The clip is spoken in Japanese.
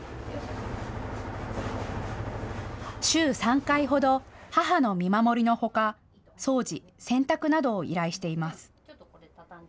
週３回ほど母の見守りのほか掃除、洗濯などを依頼しています。